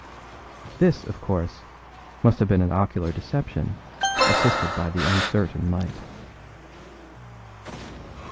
This, of course, must have been an ocular deception, assisted by the uncertain light.